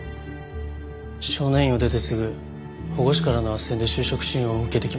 少年院を出てすぐ保護司からの斡旋で就職支援を受けてきました。